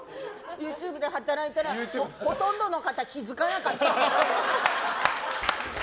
ＹｏｕＴｕｂｅで働いたらほとんどの方気づかなかった。